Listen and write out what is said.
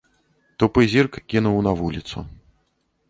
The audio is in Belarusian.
Тупы зірк кінуў на вуліцу.